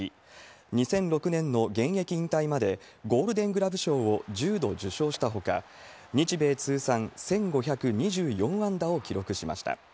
２００６年の現役引退までゴールデングラブ賞を１０度受賞したほか、日米通算１５２４安打を記録しました。